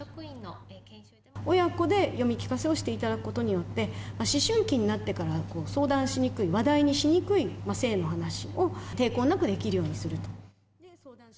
親子で読み聞かせをしていただくことによって、思春期になってから相談しにくい、話題にしにくい性の話を抵抗なくできるようにすると。